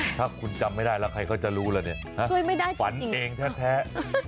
ถ้าคุณจำไม่ได้แล้วใครเขาจะรู้แล้วเนี่ยฝันเองแท้